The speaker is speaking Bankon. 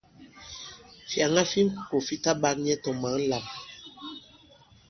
Fyàŋa fi ŋko fi ta ɓak nyɛ tɔ̀ mǎn lām.